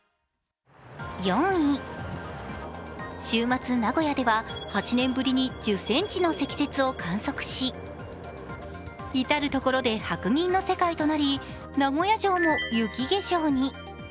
４位、週末、名古屋では８年ぶりに１０ｃｍの積雪を観測し至る所で白銀の世界となり名古屋城も雪化粧に。